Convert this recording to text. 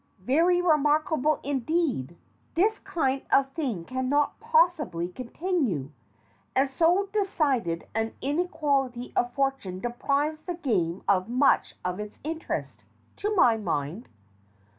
Very remarkable, indeed. This kind of thing cannot possibly continue, and so decided an inequality of fortune deprives the game of much of its interest, to my mind."